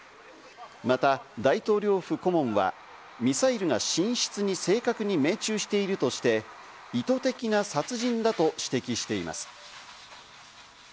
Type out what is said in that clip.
また大統領府顧問はミサイルが寝室に正確に命中しているとして、意図的な殺人だと指摘しています。